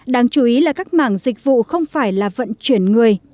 đáng chú ý là các mảng dịch vụ không phải là vận chuyển người